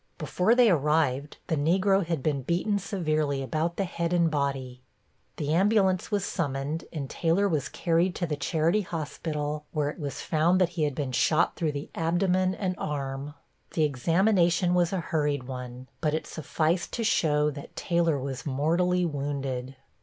Before they arrived the Negro had been beaten severely about the head and body. The ambulance was summoned and Taylor was carried to the charity hospital, where it was found that he had been shot through the abdomen and arm. The examination was a hurried one, but it sufficed to show that Taylor was mortally wounded.